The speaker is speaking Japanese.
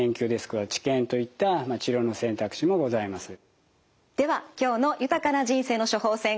で一方ででは今日の「豊かな人生の処方せん」